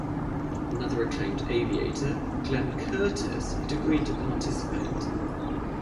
Another acclaimed aviator, Glenn Curtiss, had agreed to participate.